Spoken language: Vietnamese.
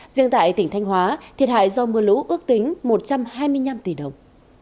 riêng tại tỉnh thanh hóa thiệt hại do mưa lũ ước tính một trăm hai mươi năm tỷ đồng